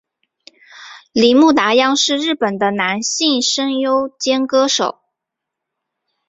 铃木达央是日本的男性声优兼歌手。